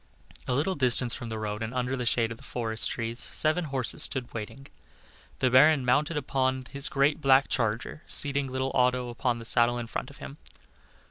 A little distance from the road and under the shade of the forest trees, seven horses stood waiting. The Baron mounted upon his great black charger, seating little Otto upon the saddle in front of him.